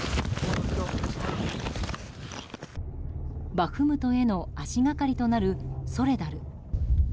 バフムトへの足がかりとなるソレダル。